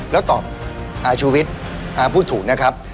แล้วตอบอาชุวิตพูดถูกนะครับ